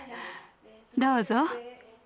どうぞ。